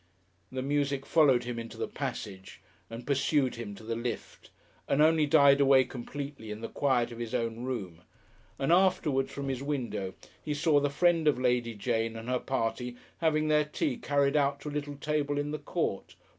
The music followed him into the passage and pursued him to the lift and only died away completely in the quiet of his own room, and afterwards from his window he saw the friend of Lady Jane and her party having their tea carried out to a little table in the court.